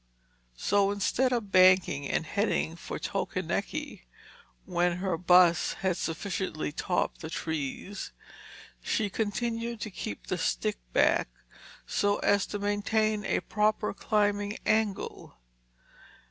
So instead of banking and heading for Tokeneke, when her bus had sufficiently topped the trees, she continued to keep the stick back so as to maintain a proper climbing angle.